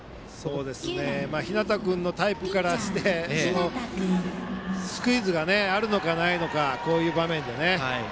日當君のタイプからしてスクイズがあるのかないのかこういう場面で。